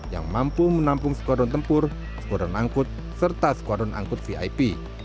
yang mampu menampung skuadron tempur skuadron angkut serta skuadron angkut vip